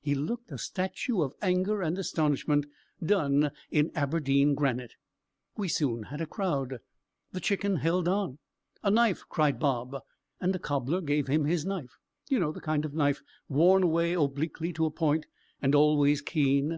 He looked a statue of anger and astonishment, done in Aberdeen granite. We soon had a crowd: the Chicken held on. "A knife!" cried Bob; and a cobbler gave him his knife: you know the kind of knife, worn away obliquely to a point, and always keen.